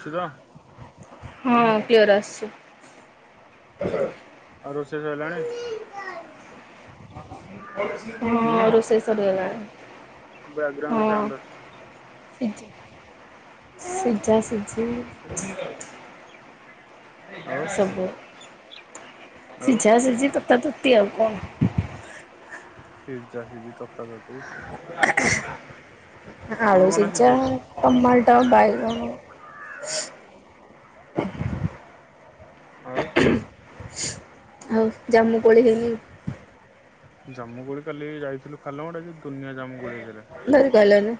ସୁରା ହଁ ପିଓର ଆସିଛି। ଆଉ ରୋଷେଇ ସଇଲାଣି? ହଁ ହଁ ରୋଷେଇ ସରିଗଲାଣି। ବ୍ୟାକ୍ ଗ୍ରାଉଣ୍ଡ ସାଉଣ୍ଡ ଆସୁଛି। ସିଜା ସିଜିି ଆଉ ସବୋ ଆଉ ସିଝା ସିଝି ତ ତ ତୃତି ଆଉ କଣ? ସିଝା ସିଝି ତତା ତତି। [unintelligible] କଣ ଆଳୁ କଣ ସିଝା, ସିଝେଇଛ? ଟମାଟ, ବାଇଗଣ [inaudible] ଆଉ ଆଉ ଜାମୁକୋଳି ହେଇନି? ଜାମୁକୋଳି କାଲି ଯାଇଥିଲୁ ପାଲହଡା ଯେ ଦୁନିଆ ଜାମୁଗୋଳି ହେଇଥିଲା। ଧରିପାଇଲାନି।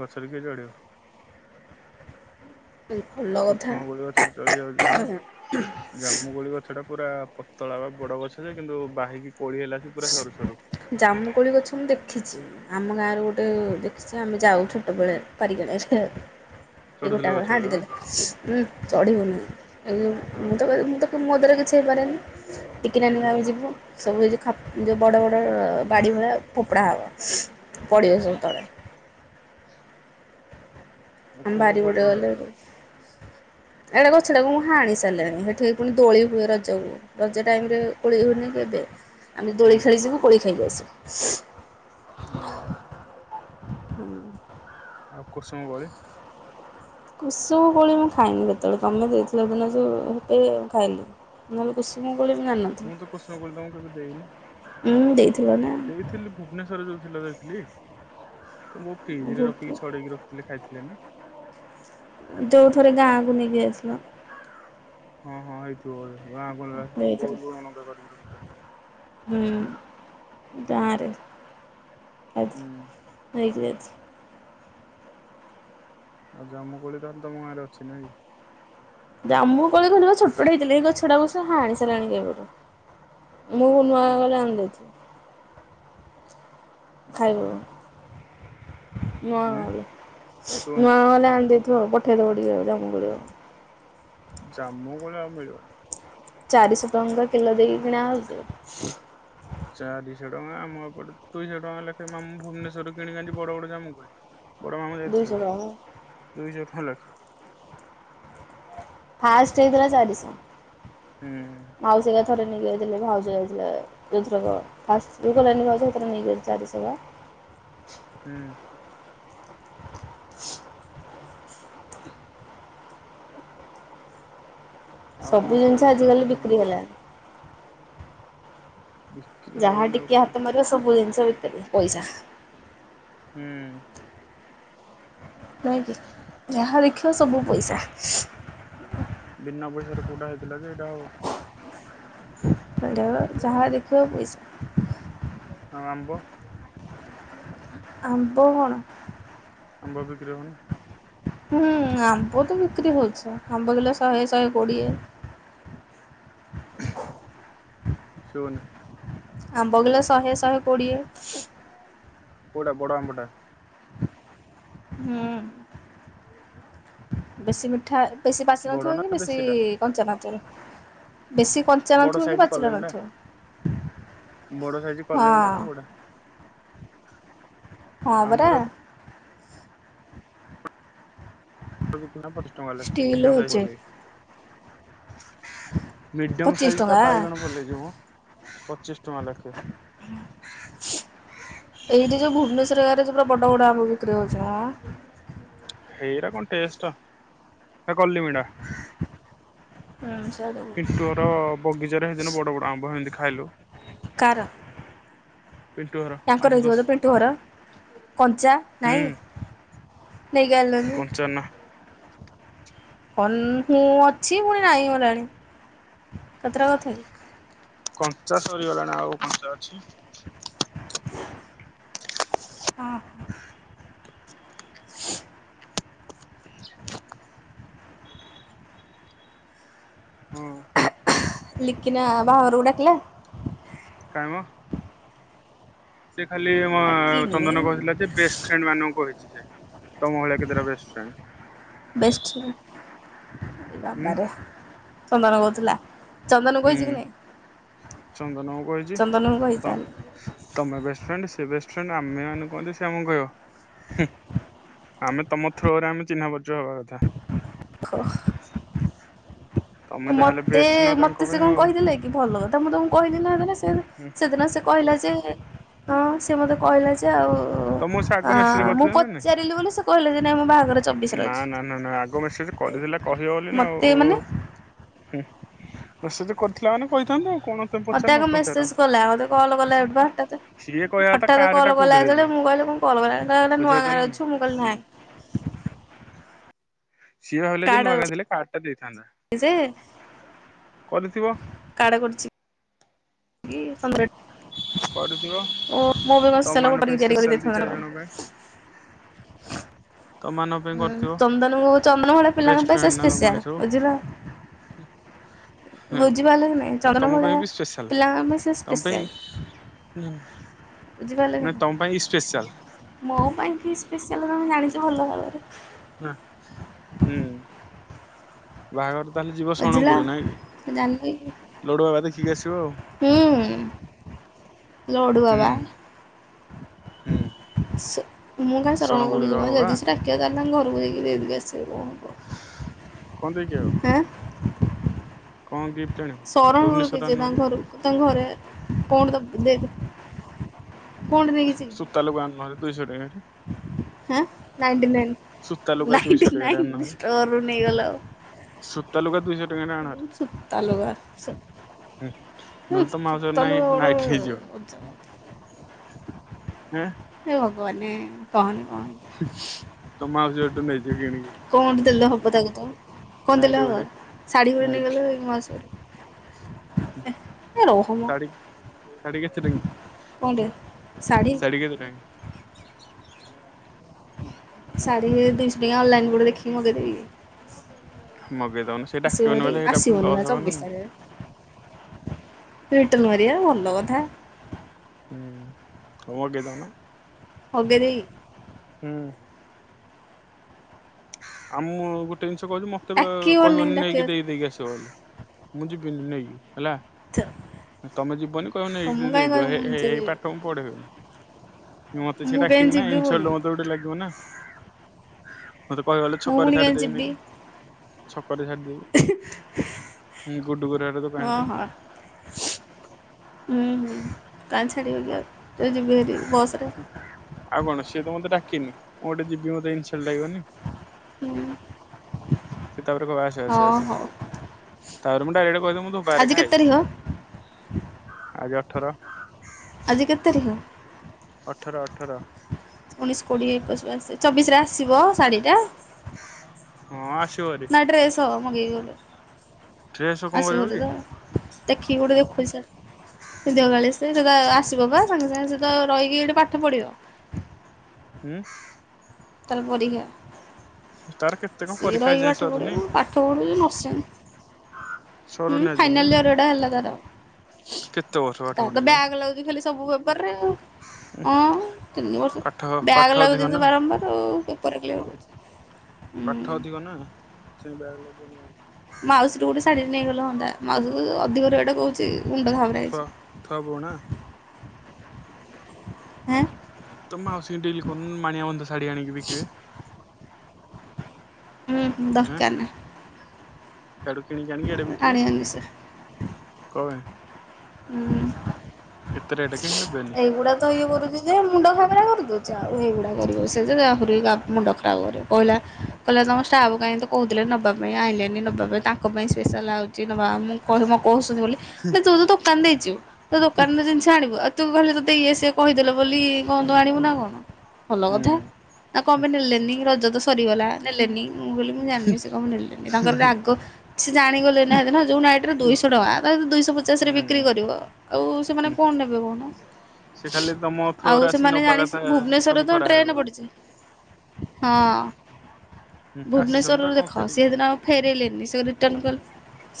ଗଛରେ କିଏ ଚଢିବ? ଭଲ କୁସୁମ କଥା କୋଳି ଗଛରେ ଚଢି ଯାଉଛି ସିନା ଜାମୁକୋଳି ଗଛଟା ପୁରା ପତଳାର ବଡ ଗଛ ଯେ କିନ୍ତୁ ବାହିକି କୋଳି ହେଲାଣି ପୁରା ସରୁ ସରୁ। ଜାମୁକୋଳି ଗଛ ମୁଁ ଦେଖିଛି। ଆମ ଗାଁରେ ଗୋଟେ ଦେଖିଛି ଆମେ ଯାଉ ଛୋଟବେଳେ ପାରିଗି ଆଣୁ ଏ ସେ - - ଏ ଚଢୁଥିଲ ଗୋଟାକ ଗଛରେ ହାଡି ତମେ? ଦେଲେ ଉଁ ଚଢିବୁନି ମୁଁ ଆଉ ମୁଁ ତ ମୋ ଦ୍ୱାରା ଯେତିକି - - ସେ ପାରେନ୍। ଟିକିନାନି ହୁଁ। ଆଉ ଆମେ ଯିବୁ। ସବୁ କିଛି ଖ ଯୋଉ ବଡ଼ ବଡ଼ ବାଡ଼ି ଫୋପଡ଼ା ହବ। ହୁଁ ପଡ଼ିିବ ସେ ତଳେ ଆଉ ଆମ କୋଉ ବାରି କୋଳି ପଟେ ପାଇଁ ଗଲେ ଯାଉଥିଲ? ଏଇଟା ଗଛ ଟାକୁ ମୁଁ ହାଣି ସାରିଲାଣି ସେଠିକ ପୁଣି ଦୋଳି ହୁଏ ରଜକୁ ରଜ ଟାଇମ ରେ ଗୋଳି ହୁଏନି ଏବେ ଆମେ ହୁଁ ଦଳି ଖେଳିଯୁ କୋଳି ଖାଇ ଆସୁ। [inaudible] ହୁଁ। ହୁଁ। ଆଉ କୋଉସାଙ୍ଗ ଗଲେ କୁସୁମ କୋଳି ମୁଁ ଖାଇନି। ଯେତେବେଳେ ତମେ ଦେଇଥିଲ ଦିନ ଯଉଁପେ ଖାଇଲି ନହେଲେ କୁସୁମ କୋଳି ଜାଣିନଥିଲି ମୁଁ ତ କୁସୁମ କୋଳି କେବେ ଦେଇନି ଉଁ ଦେଇଥିଲ ନା ଦେଇଥିଲି ଭୁବନେଶ୍ଵରରେ ଯୋଉ ଥିଲ ଦେଇଥିଲି ତ ମୁଁ ଫ୍ରିଜରେ ଭୋଗ ରଖିକି ଛଡେଇକି ରଖି ଖାଇଥିଲେ। ଜାଣିନୁ? ଯୋଉ ଥରେ ଗାଁକୁୁ ନେଇ ଯାଇଥିଲା। ହଁ ହଁ ହେଇଥିବ ବହୁତ ଗାଁ ଗ ଆସ ତମ ଦେଇଥିଲ ବହୁତ ଲୁଣ ଲଙ୍କା କରିକି ହୁଁ ରଖିଥିଲେ। ଗାଁରେ ଆ ହୁଁ ନେଇଯିବେ। ଆଉ ଜାମୁ କୋଳି ତାହେଲେ ତମ ଗଁରେ ଅଛି ନାଇକି? ଜାମୁକୋଳି ଖଣ୍ଡ ଛୋଟପଟ ହେଇଥିଲା ଗଛଟା କୁ ହାଣି ସାରିଲେଣି କେବେଠୁ। ମୁଁ ନୂଆ ଆଣି ଗଲେ ଆଣିଦେଇଛି। ଖାଇବ? [inaudible] ମା ହୁଁ ଶୁଣୁ ମା ଗଲେ ଆଣିଦେବେ। ଖୁହ ପଠେଇଦବ ଟିକେ ଜାମୁ କୋଳି ଆଉ। ଜାମୁ କୋଳି ଆଉ ମିଳୁନି। ଚାରିଶ। [unintelligible] କିିଲୋ ଦେଖି କିିଣା ହଉଛି। ତମେ, ଆମ ଏପଟେ ଦୁଇଶହ ଟଙ୍କା ଲେଖା ମାମୁଁ ଭୁବନେଶ୍ୱରରୁ କିଣିିକି ଆଣିଛି ବଡ ବଡ କାମୁ କୋଳି। ବଡ ମାମୁଁ ଯାଇଥିଲେ ଦୁଇଶହ ଟଙ୍କା ଦୁଇଶ। [unintelligible] ଫାଷ୍ଟ୍ ହେଇଥିଲା ଚାରିଶ। ହୁଁ ଆଉ ସେଟା ଥରେ ନେଇଯାଇଥିଲି, ଭାଉଜ ଯାଇଥିଲା ଏଇଥରକ ଫାଷ୍ଟ୍ ଯେତେବେଳେ [inaudible] ଭାଉଜ ନେଇଗଲି ଚାରିଶ ପା ହୁଁ। [unintelligible] ଆଉ କଣ ସବୁ କୋଳି ଜିନିଷ ବିକା ହଉଛି ଆଜିକାଲି ନାଇଁ ବିକ୍ରି ହେଲାଣି। ବିକ୍ରି ଯାହା ହବନି ଆଉ ଟିକେ କଣ ହାତ ମାରିବ ସବୁ ଜିନିଷ୍। [unintelligible] ପଇସା। ହୁଁ ନାଇଁକି? ଯାହା ଦେଖିବ ହଁ। ସବୁ ପଇସା। [unintelligible] [inaudible] ବିନା ପଇସାରେ କୋଉଟା ହେଇଥିଲା ଯେ ଏଇଟା ହବ? ହାଲୋ ଯାହା ଦେଖିବ ପଇସା। ଆଉ ଆମ୍ବ। ଆମ୍ବ କଣ? ଆମ୍ବ ବିକ୍ରି ହଉନି? ହୁଁଉଉ, ଆମ୍ବ ତ ବିକ୍ରି ହଉଛି, ଆମ୍ବ କିଲୋ ଶହେ ଶହେ କୋଡିଏ। କୋଉଟା? ଆମ୍ବ କିଲୋ ଶହେ ଶହେ କୋଡିଏ। କୋଉଟା ବଡ ଆମ୍ବଟା? ହୁଁ, ବେଶୀ ମିଠା ବେଶୀ ପାଚି ବଡ ନଥିବ ନା କି ବେଶୀ ଦେଶୀଟା କଞ୍ଚା ନଥିବ। ବେଶୀ କଞ୍ଚା ବଡ ନଥିବ କି ସାଇଜ ପାଚିଲା କଲିମିଟା ନଥିବ। [unintelligible] ବଡ ସାାଇଜ୍ ହଁ କଲମିଟା ନା କୋଉଟା? ହଁ ପରା। ଆମର [inaudible] ପୁରା ପଚିଶ ଟଙ୍କା ଲେଖା [inaudible] ଷ୍ଟିଲ୍ ସାଇଜ୍। ଅଛି [inaudible] ମିଡିୟମ୍ ପଚିଶ ସାଇଜଟା ଟଙ୍କା ବାଇଗଣ ପଲେଇ ଯୋଉ ମ, ପଚିଶ ଟଙ୍କା ଲେଖେ। ଏଇଠି ଯୋଉ ଭୁବନେଶ୍ୱର ଗାଁରେ ଯୋଉ ପୁରା ବଡ ବଡ ଆମ୍ବ ବିକ୍ରି ହଉଛି ମ ହେରା କଣ ଟେଷ୍ଟ, ସେ କଲିମିଟା। ହୁଁ। ସିଆଡେ ପିଣ୍ଟୁ ଘର ବଗିଚାରେ ସେଇଦିନ ବଡ ବଡ ଆମ୍ବ ହେମିତି ଖାଇଲୁ। ପିଣ୍ଟୁ ଘର ୟାଙ୍କର ହେଇଥିବ ଆଶୁତୋଷ ତ ପିଣ୍ଟୁ ଘର କଞ୍ଚା ହୁଁ ନାଇଁ ନେଇକି ଆଇଲନି। କଞ୍ଚା ନା କଲ୍ ମୁଁ ଅଛି ପୁଣି ନାଇଁ ଗଲାଣି କେତେଟା କଥା କି କଞ୍ଚା ସରିଗଲାନି ଆଉ କଞ୍ଚା ଅଛି। ହମ୍ [inaudible] ହଁ ଲିକିନା ବାହାଘରକୁ ଡାକିଲା କାଇଁ ମ ସେ ଖାଲି ମ ଡାକିନି ଚନ୍ଦନ କହିଥିଲା ଯେ ବେଷ୍ଟ ଫ୍ରେଣ୍ଡ ମାନଙ୍କୁ କହିଛି ସେ ତମ ଭଳିଆ କେତେଟା ବେଷ୍ଟ ଫ୍ରେଣ୍ଡ୍ ବା ବା ରେ ଚନ୍ଦନ କହୁଥିଲା ଚନ୍ଦନକୁ ହୁଁ କହିଛି କି ନାଇଁ ଚନ୍ଦନ କଛି ଚନ୍ଦନକୁ କହିଛି ତ ତାହେଲେ ତମ ବ ଫ୍ରେଣ୍ଡ ସେ ଆମେ ମାନେ କୁହନ୍ତିୁ ସେ ଆମକୁ କହିବ ଆମେ ତମ ଥ୍ରୋରେ ଆମେ ଚିହ୍ନା ପରିଚ ହବା କଥା ଖ ତମେ ଯାହାହେଲେ ମତେ ବେଷ୍ଟ ନା ତାଙ୍କ ମତେ ସେ ପାଇଁ କଣ ଆଉ। କହିଥିଲେ କି ଭଲ କଥା ମୁଁ ତାଙ୍କୁ କହି ଥିଲେ ହେଇଥାନ୍ତା ସିଏ ହୁଁ ସେ ସେଦିନ ସେ କହିଲା। ଯେ ହଁ ସେ ମତେ କହିଲା ଯେ ଆଉ ତ ମୁଁ ସେ ଆ ଆଗ ମେସେଜ ମୁଁ କରିଥିଲା ନା ପଚାରିଲି ବୋଲି ସେ କହିଲେ ଯେ ନାଇଁ ମୋ ବାହାଘର ଚବିଶରେ ଅଛି। ନାଇଁ ନା ନା ନା ଆଗ ମେସେଜ କରିଥିଲା କହିବ ବୋଲି ନା ମତେ ଆଉ। ମାନେ ହୁଁ ମେସେଜ୍ କରିଥିଲା ମାନେ କହିଥାନ୍ତ। ମତେ ଆଗ ମେସେଜ କଲା ମତେ କଲ୍ କଲା ଏବା ହଠାତ୍ ସିଏ କହିବା କଥା ହଠାତ୍ କାର୍ଡ ଟା କଲ୍ କୋଉଠି କଲା ଦେବି ଯେତେବେଳେ ମୁଁ ମୁଁ କହିଲି କଣ କଲ କଲାଣି କହିଲା ଏନେ ବୁଝିପାରୁଛ ନୂଆଗାଁ ନା ନାଇଁ ଅଛୁ ମୁଁ କହିଲି ସିଏ ନାଇଁ। ସିଏ ଭାବିଲେ ଯେ ନୂଆଗାଁ ରେ ଥିଲେ କାର୍ଡ ଟା ଦେଇ ଯେ କରିଥିବ କାର୍ଡ କରିଚି। [unintelligible] କରିଥିବ ଓ ମୋ ପାଇଁ କଣ ତମ ସ୍ପେଶାଲ ଗୋଟେ ମାନଙ୍କ କରିକି ପାଇଁ ତିଆରି କରି ସ୍ପେଶଆଲ ଦି ଦେଇଥାନ୍ତା ନା ଚାରି କଣ। ଜଣ ପାଇଁ। ତମମାନଙ୍କ ପାଇଁ ହୁଁ କରିଥିବ ଚନ୍ଦନ ମୁଁ ଚନ୍ଦନ ଭଳିଆ ପିଲାଙ୍କ ବେଷ୍ଟ ପାଇଁ ସେ ଫ୍ରେଣ୍ଡ ନା ସ୍ପେଶଆଲ ତମମାନେ ସବୁ ବୁଝିଲ ହଁ ବୁଝିପାରିଲେ କି ନାଇଁ ଚନ୍ଦନ ତମ ପାଇଁ ଭଳିଆ ବି ସ୍ପେଶାଲ। ପିଲାଙ୍କ ପାଇଁ ତମ ପାଇଁ ସ୍ପେସାଲ୍ ବୁଝି ପାରିଲ କି ନା ତମ ପାଇଁ ସ୍ପେଶାଲ ନାଇଁ ମୋ ପାଇଁ କି ସ୍ପେସାଲ୍ ତମେ ଜାଣିଚ ତେ ଭଲ ଭାବରେ ହଁ ହୁଁ ବାହାଘର ତାହେଲେ ଯିବ ବୁଝିଲ ଶରଣକୁଳ ନାଇଁ କି ଜାଣିଲି ଲଡୁବାବା ଦେଖିକି ଆସିବ ଆଉ ହୁଁ ହୁଁ ହୁଁ ଲଡ଼ୁବାବା ହୁଁ। ମୁଁ କାଇଁ ଶରଣ ଶଣକୁଳିରେ ହବ କୁଳ ବା ଯିବି ସେ ଡାକିବା ତାହେଲେ ଘରକୁ ଯାଇକି ଦେଇକି ଆସିବି କଣ ଦେଇକି ଆଇବ ହଁ। କଣ କି। ଶରଣ ବଳ କିଛି ତାଙ୍କ ଘର ତାଙ୍କ ଘରେ। କଣ ତ ଦେଖ? ସୁତା ଲଗା ଆଣୁନ୍ତି। ଦୁଇଶହ ଟଙ୍କ ଟ। ହଁ ନାଇଣ୍ଟି ନାଇ। ଲୁଗା ନାଇ ଟୁ ଦୁଇଶହ ଟଙ୍କାରେ ଆଣୁନ ନାଇନ୍ ଭାରି ଷ୍ଟୋରରୁ ନେଇଗଲା। ସୂତା ଲୁଗା ଦୁଇ ସୁତାଲୁଗା। ହୁଁ ନହେଲେ ତ ମାଉସୀ ଘର ନାଇଁ ତନୁ ନାଇଟି ନେଇଯିବା ଗଟେ। ହଁ। ସେ ଭଗବାନ କହନ। ତ ମାଉସୀ ଘରଠୁ ନେଇଜ କିିଣ କି। ଗତ କେଥା। କଣ ଦେଲେ ହବ ଶାଢୀ ଗୋଟେ ନେଇଗଲେ ମାଉସୀ। ଗୋଟେ ଏ ରହ ମ ଶାଢ଼ୀ ଶାଢ଼ୀ କେତେ ଟଙ୍କା କଣ ଟିକେ ଶାଢ଼ୀ କେତେ ଟାଙ୍କା। ଶାଢ଼ୀ ଦେଇଛଡ଼ି ଅନଲାଇନ ଗୋଟେ ଦେଖି ମଗେଇଦେବି କି। ମଗେଇ ଦଉନ ସେଇ ଆସିବ ଡାକିବନି ଭାରି ବଲେ ସେଇଟା ପୁଣି ଆସିବନି ବା ଲସ୍ ହବନ ଚବିଶ ନା। ତାରିଖରେ ରିଟର୍ନ ମାରଆ ଭଲ କଥା। ହୁଁ ହଗଦାନ। ହଗଦେବି। ହୁଁ ଆ ମୁ ଗୋଟେ ଜିନିଷ। କହୁଛି ମତେ ଡାକିବନି କହିବନି ଡାକିବ ନେଇକି ଦେଇକି ଆସିବ ବୋଲି। ମୁଝି ପିଲ ନେଇ ହେଲା ଥ ତମେ ଯିବନି କହିବନ ଏ ତମକୁ କାହିଁ କହିବି ମୁଁ ନିଜେ ଦେଇଦିଅଇ ଯିବି। ପାଠ ମୁଁ ପଢେଇ ମତେ ମୁଁ ସେଟା କି କାହିଁ ନା ଯିବି ପୁଣି ଇନ୍ସଲ୍ଟ ମତେ ଗୋଟେ ଲାଗିବ ନା। ମତ। କହଗଲେ ମୁଁ ଛକରେ ପୁଣି ଛାଡି କାହିଁ ଯିବି ଦେଇନିକି। ଛ କରି ସାରଦେବିଁ ଗୁଡ଼ୁଗୋରର ଦୋକ ହଁ ଏଠି। ହଁ। ହୁଁ ହୁଁ। କା ଛାଡିିବି ଆଉ ଯ ଯ। ଆଉ କଣ ସିଏ ତ ମତେ ଡାକ କିିନି ମୁଁ ଗୋଟେ ଯିବି ମତେ ଇନ ସଟ୍ ଲାଗିବନି? ହୁଁ ସେ ତାପରେ କହିବ ଆସେ ଆସେ ହଁ ଆସେ। ହଉ। ତା ପରେ ମୁଁ ଡିରେକ୍ଟ କହିଦେବି ମୁଁ ଧୋବା ଘରେ ଆଜି କେତେ ତାରିଖ ଖାଇବିନି ଆଉ ଅଠର। ଆଜିି କେତେ ତାରିଖ? ଅଠର ଅଠ ଅଠର ଉଣେଇଶ କୋଡିଏ ଏକୋଇଶ ବାଇଶ ଚବିଶରେ ଆସିବ ଶାଢିଟା। ହଁ ଆସି ନା ଡ୍ରେସ ହବ? ମଗେଇବି ଗୋଟେ। ଡ୍ରେସ କଣ ଆସିବ କରିବ ଗୋଟେ କି? ତ ଦେଖିକି ଗୋଟେ ଦେଖୁଚି ସାର୍ ବିନ୍ଧିବ କାଳେ ସେ ସେଟା ଆସିବ ବା ସାଙ୍ଗେ ସାଙ୍ଗେ ସେତ ରହିକି ଏଇଠି ପାଠ ପଢିବ। ହୁଁ। ତାର ପରୀକ୍ଷା। ତାର କେତେ କଣ ସିଏ ପରୀକ୍ଷା ରହିକି ଏଯାଏଁ ପାଠ ସରୁନି ପଢିବ ପାଠ ପଢ଼ୁଚି ନର୍ସିଂ। ହୁଁ ସରୁନି ଆଜି ଯାଙ୍କେ ଫାଇନଲ ଇୟର ଏଇଟା ହେଲା ତାର। କେତେ ବର୍ଷ ପାଠ ତାର ତ ପଢିଯିବ ବ୍ୟାକ ଲାଗୁଛି ଖାଲି ସବୁ ପେପାର ରେ ଆଉ ହଁ ତିନି ବର୍ଷ ପାଠ ପାଠ ବ୍ୟାଗ ଅଧିକ ଲାଗୁଚି ତ ନା ବାରମ୍ବାର ଆଉ। ପେପର୍ କ୍ଲିୟର ହଉନଥିବ। ପାଠ ଅଧିକ ନା। [unintelligible] ମାଉସୀରୁୁ ଗୋଟେ ଶାଢୀଟେ ନେଇଗଲେ ହଅନ୍ତା ମାଉସୀକୁ କହୁଚି ଅଧିକ ରେଟ କହୁଚି। [unintelligible] ଏଁ? ତୋ ମାଉସୀଙ୍କୁ ଡେଲି କହୁନୁ ମାଣିଆବନ୍ଧ ଶାଢ଼ୀ ଆଣିକି ବିକିବେ। ହୁଁ ହୁଁ ଦରକାର ନାହିଁ। ସାଡୁ କିଣିକି ଆଣିିକି ଆଡେ ବିକିବେ। ଆଣିବନି ସେ। କଁ ପେଇଁ? ଉଁ, ଏତେ ରେଟ୍ ଏଇଗୁଡା ତ ଇଏ କରୁ ଚି ଯେ ମୁଣ୍ଡ ଘାବରା କରିଦଉଚି ଆଉ, ଏଇଗୁଡା କରିବ ସେ ଯେ ଆହୁରି ମୁଣ୍ଡ ଖରାପ କରିବ, କହିଲା କହିଲା ତୋମ ଷ୍ଟାଫ କାହିଁକି ତ କହୁଥିଲେ ନବା ପାଇଁ ଆଇଲେନି ନବା ପାଇଁ ତାଙ୍କ ପାଇଁ ସ୍ପେଶାଲ୍ ଆଉଚି ନବା ମୁଁ କହି ମୁଁ କହୁ ତୁ ବୋଲି ତୁ ତ ଦୋକାନ ଦେଇ ଚୁ ତୋ ଦୋକାନରୁ ଜିନିଷ ଆଣିବୁ ଆଉ ତୁ ଖାଲି ତୋତେ ଇଏ ସିଏ କହିଦେଲେ ବୋଲି କଣ ତୁ ଆଣିବୁ ନା କଣ? ଭଲ କଥା, ହୁଁ। ଆଉ କଣ ପାଇଁ ନେଲେନି ରଜ ତ ସରିଗଲା ନେଲେନି ମୁଁ କହିଲି ମୁଁ ଜାଣିନି, ସେ କଣ ପାଇଁ ନେଲେନି, ତାଙ୍କର ରାଗ ସେ ଜାଣିଗଲେ ନା ସେଦିନ ଯୋଉ ନାଇଟ ର ଦୁଶହ ଟଙ୍କା ତାକୁ ଦୁଇଶ ଶ ହୁଁ ପଚାଶରେ ବିକ୍ରି ହୁଁ କରିବ, ଆଉ ସେମାନେ କଣ ନେବେ କହୁନ। ସେ ଖାଲି ତମ ଆଉ ଥ୍ରୋରେ ଆସିକି ସେମାନେ ନବା ଜାଣି କଥା ସି- ଭୁବନେଶ୍ଵରରେ ତମେ ତ କରାହେବ ଟ୍ରେନ ବୋଲି। ପଡିଚି, ହଁ। ହଁ। ଆସିଛନ୍ତି ତ ଭୁବନେଶ୍ଵରରେ କଣ ଦେଖ ଫେରିକି ସିଏ ଯିବେ। ସେଦିନ ଆଉ ଫେରେଇଲେନି। ସେ ରିଟର୍ଣ୍ଣ କଲେ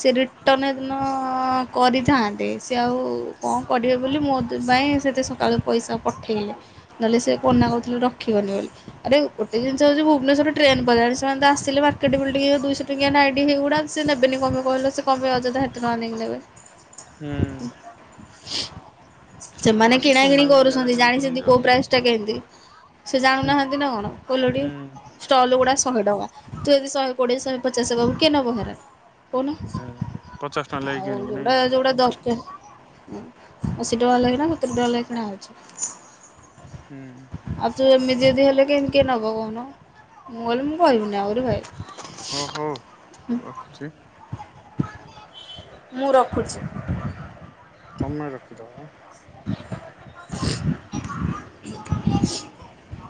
ସେ ରିଟର୍ଣ୍ଣ ସେଦିନ ହଁ କରିଥାନ୍ତେ ସେ ଆଉ କଣ କରିବେ ବୋଲି ମୋ ତି ପାଇଁ ସେତେ ସକାଳୁ ପଇସା ପଠେଇଲେ, ନହେଲେ ସେ କନା କହୁଥିଲେ ରଖିବନି ବୋଲି, ଆରେ ଗୋଟେ ଜିନିଷ ହଉଚି ଭୁବନେଶ୍ୱରରେ ଟ୍ରେନ ପଲାଣି ସେମାନେ ତ ଆସିଲେ ମାର୍କେଟ୍ ବିଲ୍ଡିଙ୍ଗ ଏ ଦୁଇଶହ ଟଙ୍କିଆ ନାଇଟ୍ ହେ ଗୁଡ଼ା ସେ ନେବେନି କଣ ପାଇଁ କହିଲ ସେ କଣ ପାଇଁ ଅଯଥା ସେଟି ନ ଆଣିକି ନେବେ। ହୁଁ। [unintelligible] ତମେ ସେମାନେ ଆସି କିଣା କିିଣି ସୁନା ବି କିଲେ କରୁଛନ୍ତି, ଲେଖେ ଜାଣିଚନ୍ତି ବିକୁଛନ୍ତି କୋଉ ଆଉ। ପ୍ରାଇସ୍ ଟା କେମତି ସେ ହୁଁ ଜାଣୁନାହାନ୍ତି ନା କଣ ଓଲଟି ହୁଁ ଷ୍ଟଲ୍ ଗୁଡା ଶହେ ଟଙ୍କା, ତୁ ଯଦି ଶହେ କୋଡିଏ ଶହେ ପଚାଶ କହିବୁ କିଏ ନବ ହେରା। କହୁନ ହୁଁ। ପଚାଶ ଟଙ୍କା ଲେଖେ ଆଉ କିଣିକି ନାଇଁ ଯୋଉଟା କି? ଯୋଉଟା ଦର ଏହେ ଅସ୍ ସେ ଡଲ ହେଇଥାନ୍ତା ତୋର ଡଲ ହେଇ କିଣା ହଉଛି। ହୁଁ। ଆଉ ତୁ ଏମିତି ଯଦି ହେଲେ କେମତି ନବ କହୁନ, ମୁଁ କହିଲି ମୁଁ କହିବିନି ଆଉ [unintelligible] ଓ ହଉ ହୁଁ, ରଖୁଛି ମୁଁ ର ଖୁଛୁ ତୋମେ ରଖିଦବ। [inaudible]